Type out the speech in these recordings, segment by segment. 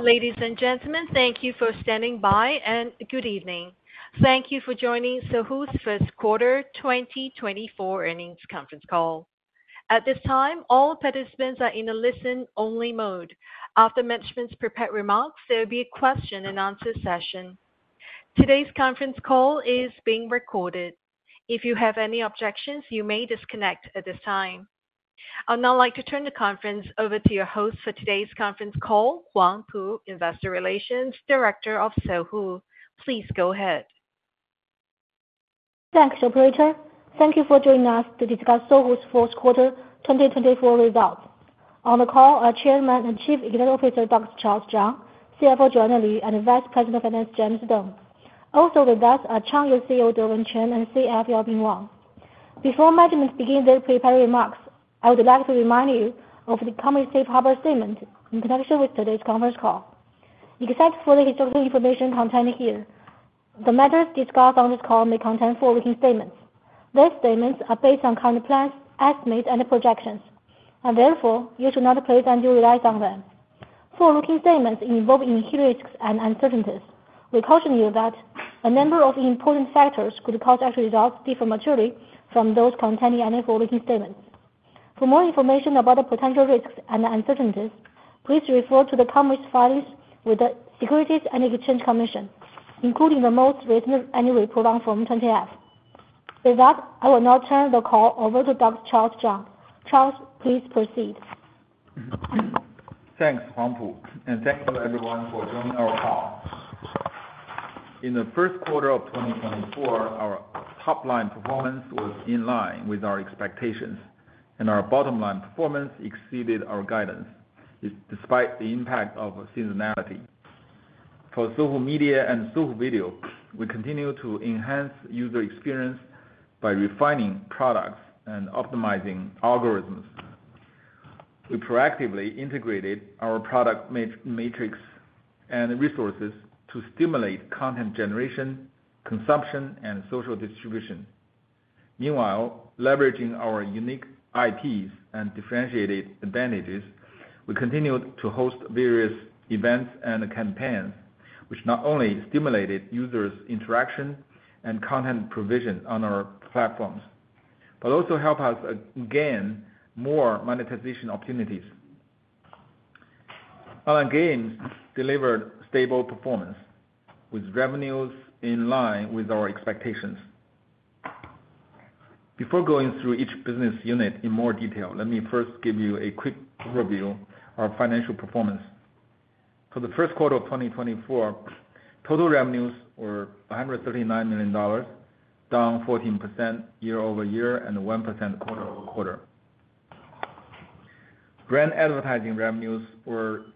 Ladies and gentlemen, thank you for standing by, and good evening. Thank you for joining Sohu's first quarter 2024 earnings conference call. At this time, all participants are in a listen-only mode. After management's prepared remarks, there will be a question and answer session. Today's conference call is being recorded. If you have any objections, you may disconnect at this time. I'd now like to turn the conference over to your host for today's conference call, Huang Pu, Investor Relations Director of Sohu. Please go ahead. Thanks, operator. Thank you for joining us to discuss Sohu's first quarter 2024 results. On the call are Chairman and Chief Executive Officer, Dr. Charles Zhang, CFO, Joanna Lv, and Vice President of Finance, James Deng. Also with us are Changyou CEO, Darren Chen, and CFO, Bing Wang. Before management begin their prepared remarks, I would like to remind you of the company's safe harbor statement in connection with today's conference call. Except for the historical information contained here, the matters discussed on this call may contain forward-looking statements. These statements are based on current plans, estimates, and projections, and therefore, you should not place undue reliance on them. Forward-looking statements involve inherent risks and uncertainties. We caution you that a number of important factors could cause actual results to differ materially from those contained in any forward-looking statement. For more information about the potential risks and uncertainties, please refer to the company's filings with the Securities and Exchange Commission, including the most recent annual report on Form 20-F. With that, I will now turn the call over to Dr. Charles Zhang. Charles, please proceed. Thanks, Huang Pu, and thank you everyone for joining our call. In the first quarter of 2024, our top line performance was in line with our expectations, and our bottom line performance exceeded our guidance, despite the impact of seasonality. For Sohu Media and Sohu Video, we continue to enhance user experience by refining products and optimizing algorithms. We proactively integrated our product matrix and resources to stimulate content generation, consumption, and social distribution. Meanwhile, leveraging our unique IPs and differentiated advantages, we continued to host various events and campaigns, which not only stimulated users' interaction and content provision on our platforms, but also help us gain more monetization opportunities. Our games delivered stable performance, with revenues in line with our expectations. Before going through each business unit in more detail, let me first give you a quick overview of our financial performance. For the first quarter of 2024, total revenues were $139 million, down 14% year-over-year and 1% quarter-over-quarter. Brand advertising revenues were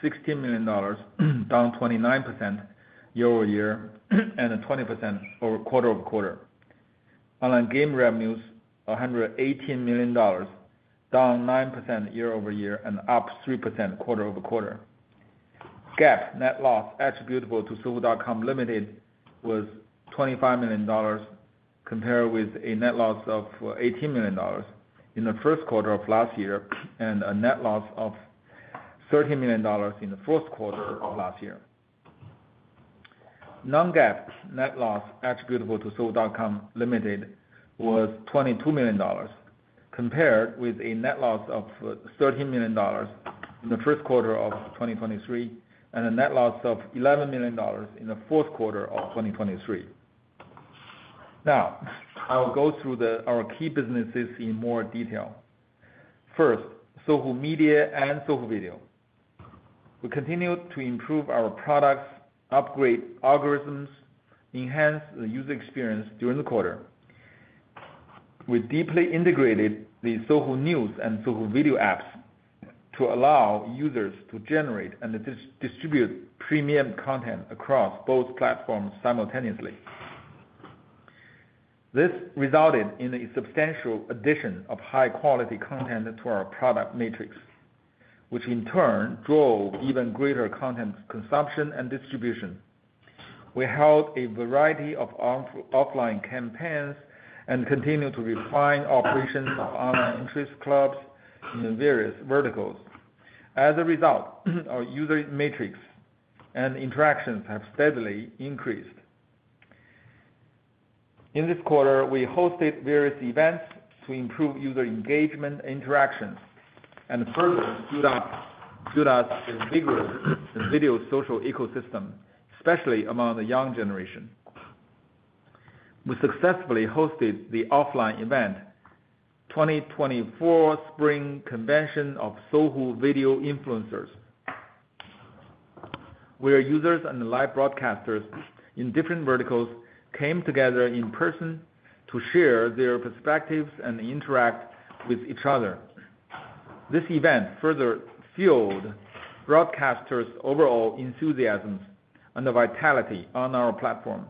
$16 million, down 29% year-over-year, and 20% over quarter-over-quarter. Online game revenues, $118 million, down 9% year-over-year and up 3% quarter-over-quarter. GAAP net loss attributable to Sohu.com Limited was $25 million, compared with a net loss of $18 million in the first quarter of last year, and a net loss of $13 million in the fourth quarter of last year. Non-GAAP net loss attributable to Sohu.com Limited was $22 million, compared with a net loss of $13 million in the first quarter of 2023, and a net loss of $11 million in the fourth quarter of 2023. Now, I will go through the... our key businesses in more detail. First, Sohu Media and Sohu Video. We continued to improve our products, upgrade algorithms, enhance the user experience during the quarter. We deeply integrated the Sohu News and Sohu Video apps to allow users to generate and distribute premium content across both platforms simultaneously. This resulted in a substantial addition of high quality content to our product matrix, which in turn drove even greater content consumption and distribution. We held a variety of offline campaigns and continued to refine operations of online interest clubs in various verticals. As a result, our user matrix and interactions have steadily increased. In this quarter, we hosted various events to improve user engagement and interactions, and further stood as vigorous in video social ecosystem, especially among the young generation. We successfully hosted the offline event, 2024 Spring Convention of Sohu Video Influencers, where users and live broadcasters in different verticals came together in person to share their perspectives and interact with each other. This event further fueled broadcasters' overall enthusiasms and the vitality on our platform.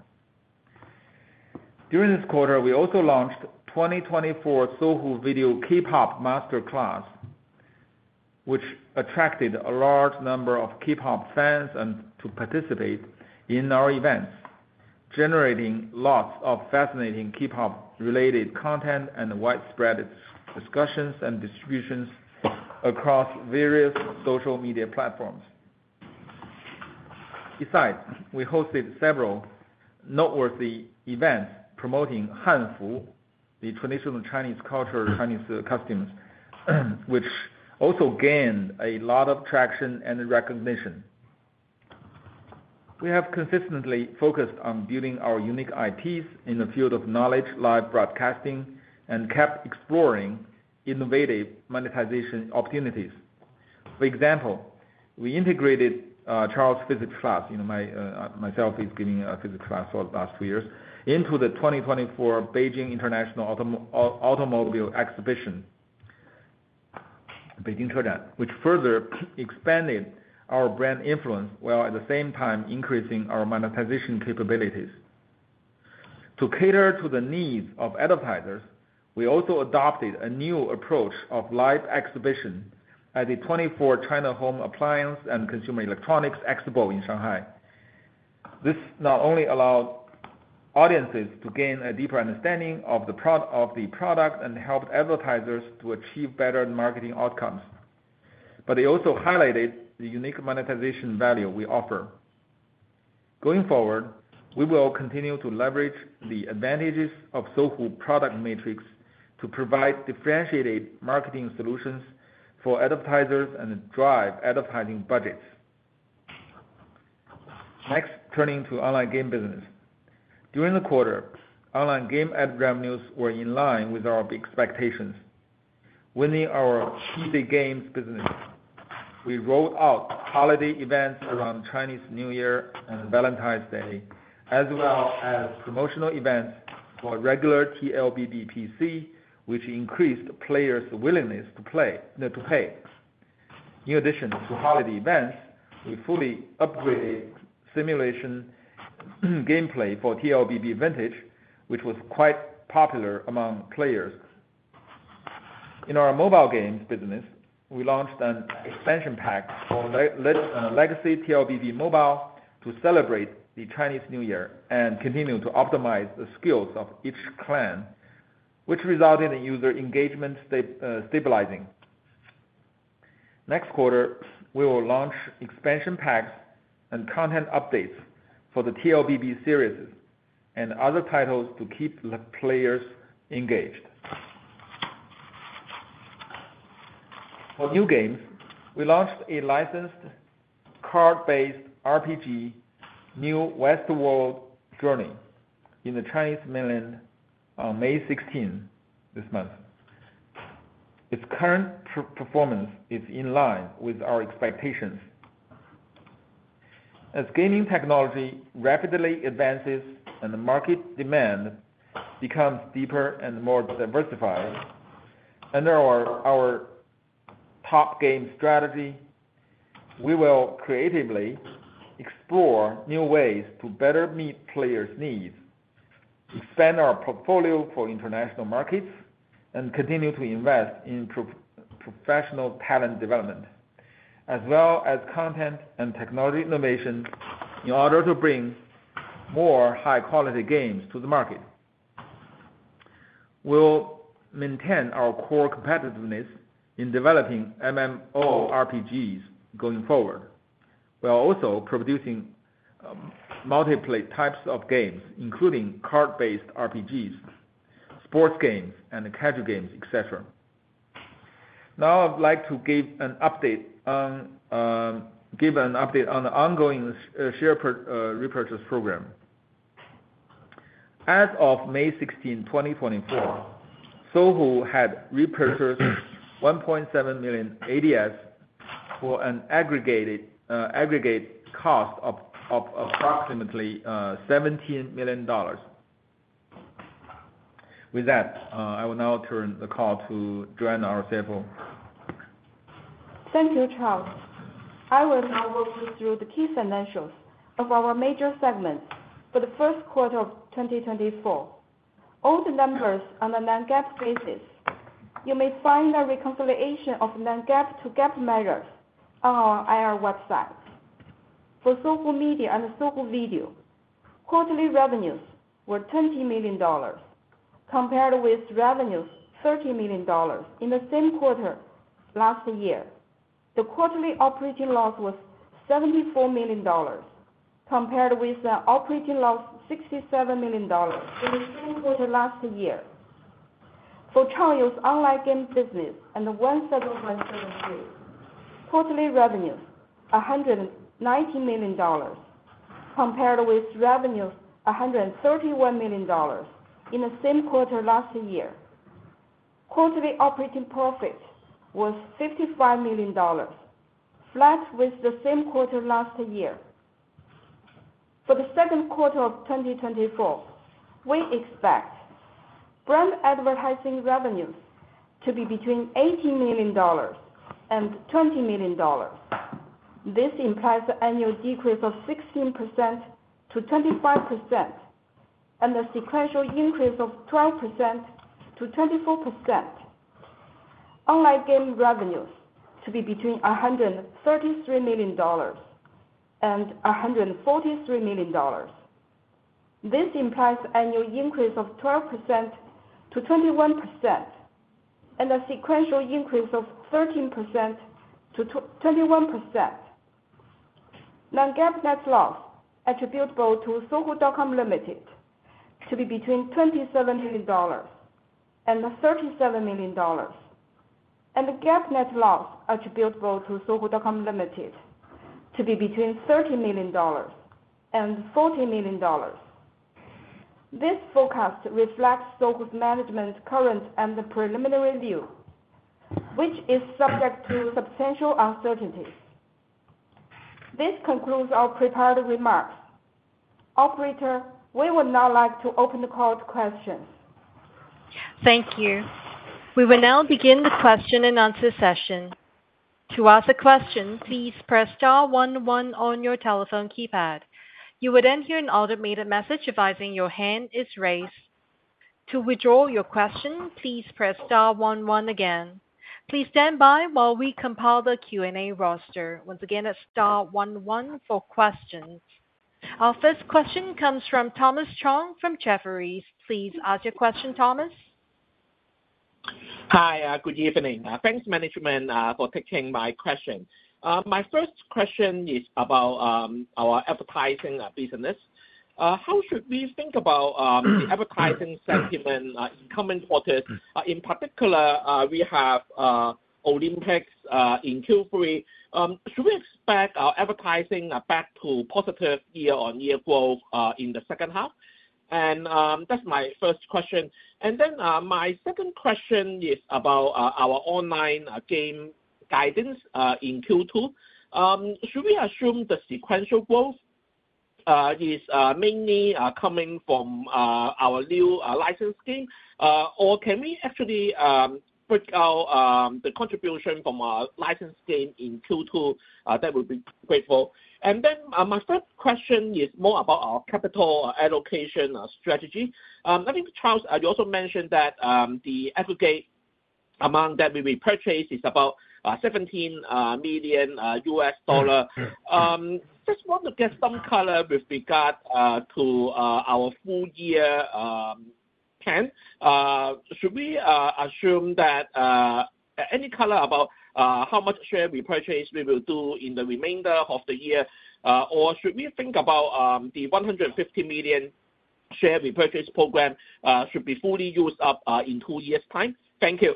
During this quarter, we also launched 2024 Sohu Video K-pop Master Class, which attracted a large number of K-pop fans and to participate in our events... generating lots of fascinating K-pop related content and widespread discussions and distributions across various social media platforms. Besides, we hosted several noteworthy events promoting Hanfu, the traditional Chinese culture, Chinese costumes, which also gained a lot of traction and recognition. We have consistently focused on building our unique IPs in the field of knowledge, live broadcasting, and kept exploring innovative monetization opportunities. For example, we integrated The Charles Physics Class, you know, my physics class for the last two years, into the 2024 Beijing International Automotive Exhibition, which further expanded our brand influence, while at the same time increasing our monetization capabilities. To cater to the needs of advertisers, we also adopted a new approach of live exhibition at the 2024 China Home Appliance and Consumer Electronics Expo in Shanghai. This not only allowed audiences to gain a deeper understanding of the product and helped advertisers to achieve better marketing outcomes, but it also highlighted the unique monetization value we offer. Going forward, we will continue to leverage the advantages of Sohu product matrix to provide differentiated marketing solutions for advertisers and drive advertising budgets. Next, turning to online game business. During the quarter, online game ad revenues were in line with our expectations. Within our PC games business, we rolled out holiday events around Chinese New Year and Valentine's Day, as well as promotional events for regular TLBB PC, which increased players' willingness to play, to pay. In addition to holiday events, we fully upgraded simulation gameplay for TLBB Vintage, which was quite popular among players. In our mobile games business, we launched an expansion pack for Legacy TLBB Mobile to celebrate the Chinese New Year and continue to optimize the skills of each clan, which resulted in user engagement stabilizing. Next quarter, we will launch expansion packs and content updates for the TLBB series and other titles to keep the players engaged. For new games, we launched a licensed card-based RPG, New Westward Journey, in the Chinese mainland on May 16th this month. It's current performance is in line with our expectations. As gaming technology rapidly advances and the market demand becomes deeper and more diversified, under our top game strategy, we will creatively explore new ways to better meet players' needs, expand our portfolio for international markets, and continue to invest in professional talent development, as well as content and technology innovation, in order to bring more high-quality games to the market. We'll maintain our core competitiveness in developing MMORPGs going forward. We are also producing multiple types of games, including card-based RPGs, sports games, and casual games, et cetera. Now, I'd like to give an update on the ongoing share repurchase program. As of May 16, 2024, Sohu had repurchased 1.7 million ADS for an aggregate cost of approximately $17 million. With that, I will now turn the call to Joanna Lv. Thank you, Charles. I will now walk you through the key financials of our major segments for the first quarter of 2024. All the numbers are on a non-GAAP basis. You may find a reconciliation of non-GAAP to GAAP measures on our IR website. For Sohu Media and Sohu Video, quarterly revenues were $20 million, compared with revenues $30 million in the same quarter last year. The quarterly operating loss was $74 million, compared with an operating loss of $67 million in the same quarter last year. For Changyou's online game business and the one segment service fee, quarterly revenues $119 million, compared with revenues $131 million in the same quarter last year. Quarterly operating profit was $55 million, flat with the same quarter last year. For the second quarter of 2024, we expect brand advertising revenues to be between $18 million and $20 million. This implies an annual decrease of 16%-25%, and a sequential increase of 12%-24%.... online game revenues to be between $133 million and $143 million. This implies annual increase of 12%-21%, and a sequential increase of 13%-21%. Non-GAAP net loss attributable to Sohu.com Limited, to be between $27 million and $37 million, and a GAAP net loss attributable to Sohu.com Limited, to be between $30 million and $40 million. This forecast reflects Sohu's management's current and the preliminary view, which is subject to substantial uncertainties. This concludes our prepared remarks. Operator, we would now like to open the call to questions. Thank you. We will now begin the question-and-answer session. To ask a question, please press star one one on your telephone keypad. You would then hear an automated message advising your hand is raised. To withdraw your question, please press star one one again. Please stand by while we compile the Q&A roster. Once again, that's star one one for questions. Our first question comes from Thomas Chong from Jefferies. Please ask your question, Thomas. Hi, good evening. Thanks management for taking my question. My first question is about our advertising business. How should we think about the advertising sentiment in coming quarters? In particular, we have Olympics in Q3. Should we expect our advertising back to positive year-on-year growth in the second half? That's my first question. My second question is about our online game guidance in Q2. Should we assume the sequential growth is mainly coming from our new licensed game? Or can we actually break out the contribution from our licensed game in Q2? That would be grateful. My third question is more about our capital allocation strategy. I think, Charles, you also mentioned that the aggregate amount that will be purchased is about $17 million. Sure. Sure. Just want to get some color with regard to our full-year plan. Should we assume that? Any color about how much share repurchase we will do in the remainder of the year? Or should we think about the $150 million share repurchase program should be fully used up in two years' time? Thank you.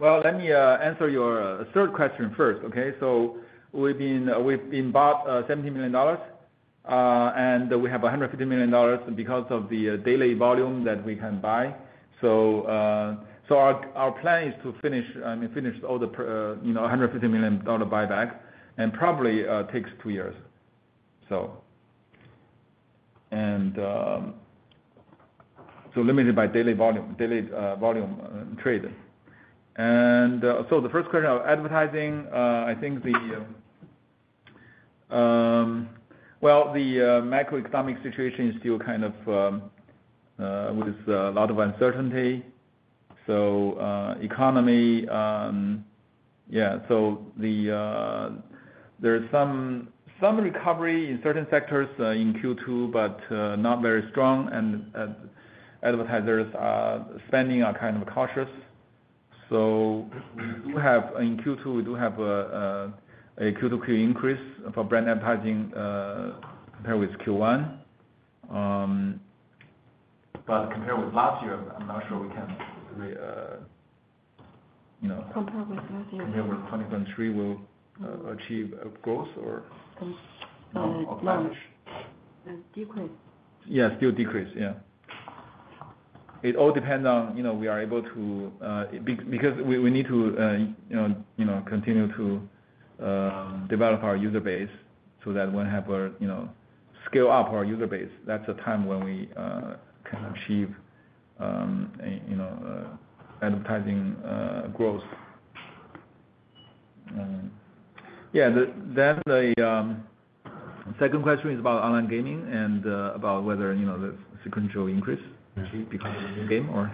Well, let me answer your third question first, okay? So we've been bought $17 million, and we have $150 million because of the daily volume that we can buy. So our plan is to finish all the, you know, $150 million buyback, and probably takes 2 years. So... And so limited by daily volume, daily volume trade. And so the first question of advertising, I think the, well, the macroeconomic situation is still kind of with a lot of uncertainty. So economy... Yeah, so there's some recovery in certain sectors in Q2, but not very strong, and advertisers are spending kind of cautious. So we do have, in Q2, we do have a Q-to-Q increase for brand advertising, compared with Q1. But compared with last year, I'm not sure we can, you know Compared with last year. Compared with 2023, we'll achieve a growth or? Uh, no. How much? Uh, decrease. Yeah, still decrease, yeah. It all depends on, you know, we are able to, because we, we need to, you know, you know, continue to, develop our user base, so that when we have a, you know, scale up our user base, that's the time when we, can achieve, a, you know, advertising, growth. Yeah, then the second question is about online gaming and, about whether, you know, the sequential increase. Because of the game or?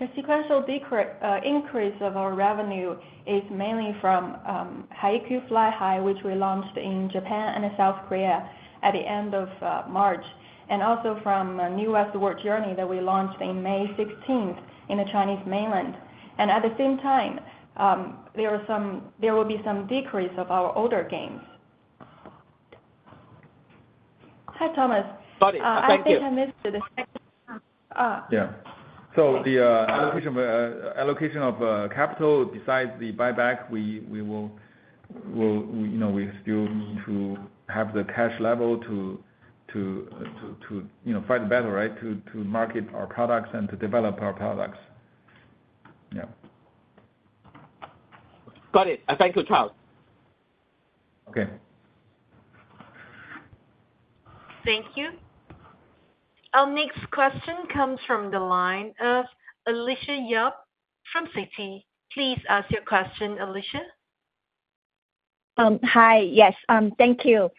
The sequential increase of our revenue is mainly from Haikyu!! FLY HIGH, which we launched in Japan and South Korea at the end of March, and also from a New Westward Journey that we launched in May 16th in the Chinese mainland. And at the same time, there will be some decrease of our older games. Hi, Thomas. Got it. Thank you. I think I missed the second, Yeah. So the allocation of capital, besides the buyback, we will, you know, we still need to have the cash level to, you know, fight the battle, right? To market our products and to develop our products. Yeah. Got it. Thank you, Charles. Okay. Thank you. Our next question comes from the line of Alicia Yap from Citi. Please ask your question, Alicia. Hi. Yes, thank you.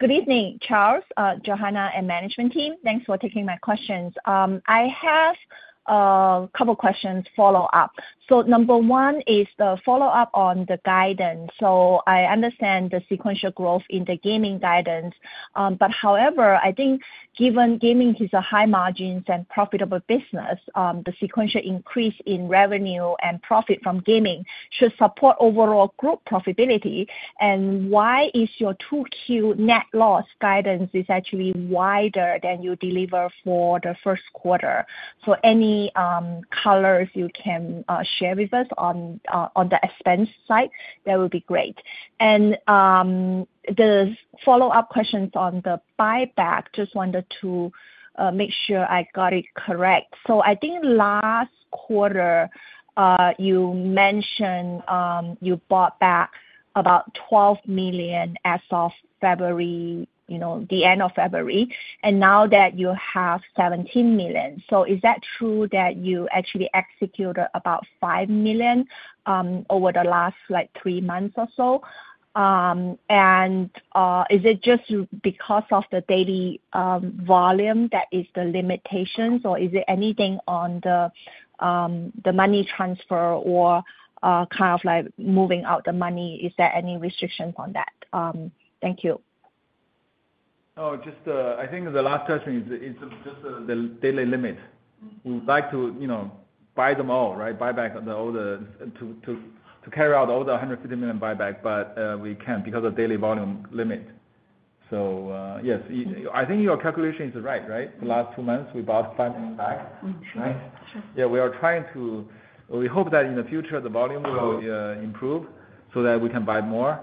Good evening, Charles, Joanna, and management team. Thanks for taking my questions. I have a couple follow-up questions. So number one is the follow-up on the guidance. So I understand the sequential growth in the gaming guidance, but however, I think given gaming is a high margins and profitable business, the sequential increase in revenue and profit from gaming should support overall group profitability. And why is your 2Q net loss guidance is actually wider than you deliver for the first quarter? So any colors you can share with us on the expense side, that would be great. And the follow-up questions on the buyback, just wanted to make sure I got it correct. So I think last quarter, you mentioned, you bought back about 12 million as of February, you know, the end of February, and now that you have 17 million. So is that true that you actually executed about 5 million, over the last, like, three months or so? And is it just because of the daily, volume that is the limitations, or is there anything on the, the money transfer or, kind of like moving out the money? Is there any restrictions on that? Thank you. Oh, just, I think the last question is just the daily limit. We would like to, you know, buy them all, right? Buy back all the to carry out all the $150 million buyback, but we can't because of daily volume limit. So, yes, I think your calculation is right, right? The last 2 months, we bought $5 million back. Sure. Right? Sure. Yeah, we are trying to. We hope that in the future, the volume will improve so that we can buy more,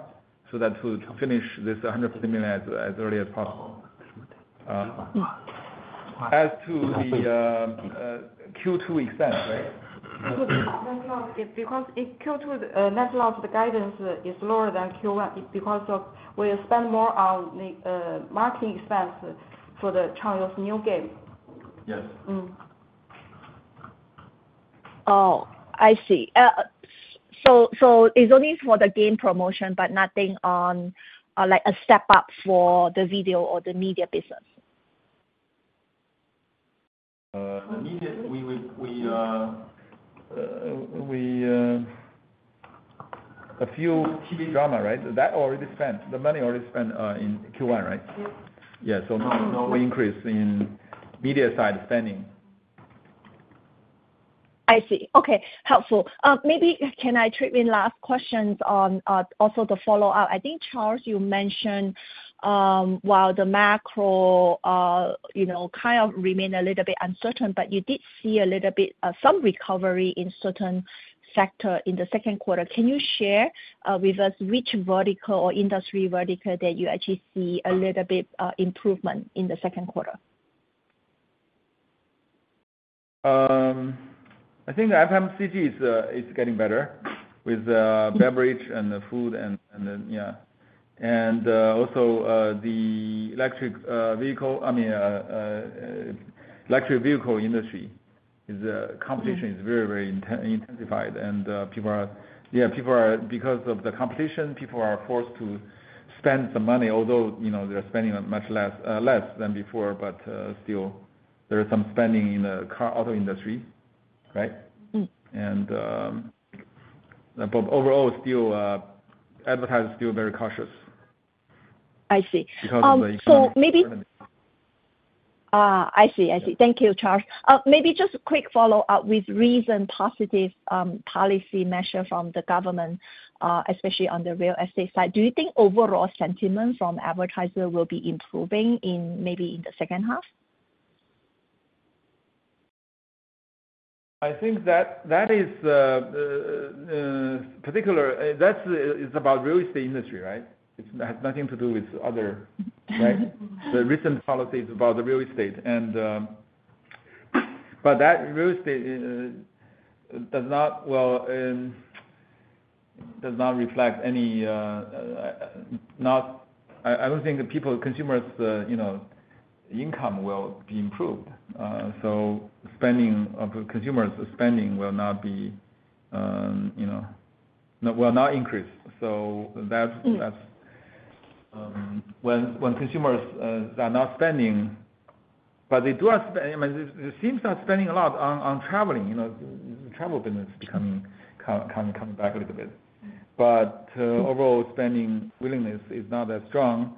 so that we'll finish this $150 million as early as possible. Yeah. As to the Q2 expense, right? Because in Q2, the net loss, the guidance is lower than Q1. It's because of, we spend more on the marketing expense for China's new game. Yes. Mm. Oh, I see. So it's only for the game promotion, but nothing on, like a step up for the video or the media business? The media, we would a few TV drama, right? That already spent, the money already spent in Q1, right? Yes. Yeah, so no, no increase in media side spending. I see. Okay, helpful. Maybe can I treat my last questions on, also the follow-up? I think, Charles, you mentioned, while the macro, you know, kind of remain a little bit uncertain, but you did see a little bit, some recovery in certain sector in the second quarter. Can you share, with us which vertical or industry vertical that you actually see a little bit, improvement in the second quarter? I think FMCG is getting better with beverage and the food and. Also, the electric vehicle, I mean, electric vehicle industry, is- Mm. Competition is very, very intensified, and people are... Yeah, people are, because of the competition, people are forced to spend some money, although, you know, they're spending much less, less than before, but still there is some spending in the car, auto industry, right? Mm. But overall, still, advertisers are still very cautious. I see. Because of the- So maybe I see. I see. Thank you, Charles. Maybe just a quick follow-up: With recent positive policy measure from the government, especially on the real estate side, do you think overall sentiment from advertiser will be improving in, maybe in the second half? I think that is particular. That's, it's about real estate industry, right? It has nothing to do with other, right? The recent policy is about the real estate. But that real estate does not, well, does not reflect any. I don't think the people, consumers, you know, income will be improved. So consumers spending will not be, you know, no, will not increase. So that's That's when consumers are not spending, but they do have I mean, it seems they are spending a lot on traveling, you know, the travel business coming back a little bit. But overall spending willingness is not as strong.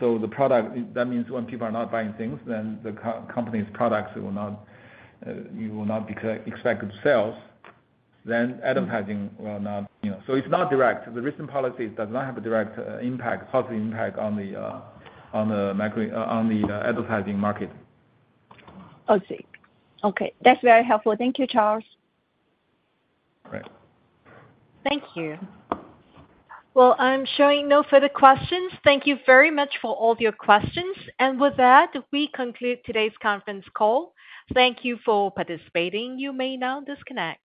So the product, that means when people are not buying things, then the company's products will not, you will not expect sales, then advertising will not, you know. So it's not direct. The recent policy does not have a direct, positive impact on the advertising market. I see. Okay, that's very helpful. Thank you, Charles. All right. Thank you. Well, I'm showing no further questions. Thank you very much for all your questions. With that, we conclude today's conference call. Thank you for participating. You may now disconnect.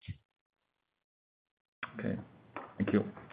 Okay. Thank you.